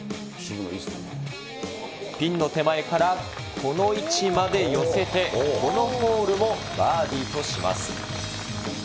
ピンの手前からこの位置まで寄せて、このホールもバーディーとします。